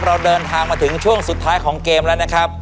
เราเดินทางมาถึงช่วงสุดท้ายของเกมแล้วนะครับ